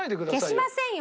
消しませんよ。